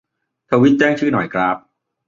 ทวีตแจ้งชื่อหน่อยครับ